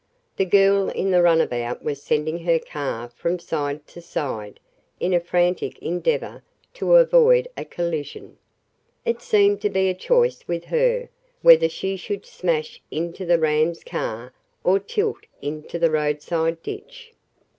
The girl in the runabout was sending her car from side to side, in a frantic endeavor to avoid a collision. It seemed to be a choice with her, whether she should smash into the ram's car, or tilt into the roadside ditch.